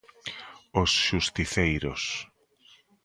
Os xusticeiros.